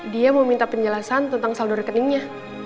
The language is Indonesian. dia mau minta penjelasan tentang saldo rekeningnya